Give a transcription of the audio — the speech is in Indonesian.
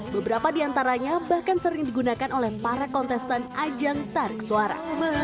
beberapa di antaranya bahkan sering digunakan oleh para kontestan ajang tarik suara